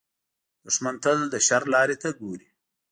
دښمن تل د شر لارې ته ګوري